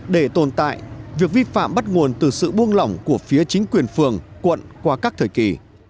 để tồn tại việc vi phạm bắt nguồn từ sự buông lỏng của phía chính quyền phường quận qua các thời kỳ